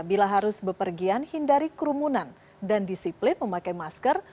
bila harus bepergian hindari kerumunan dan disiplin memakai masker